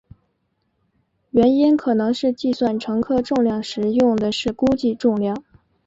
原因可能是计算乘客重量时用的是估计重量。